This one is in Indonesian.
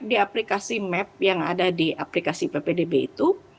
di aplikasi map yang ada di aplikasi ppdb itu